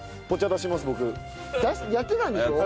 やってたんでしょ？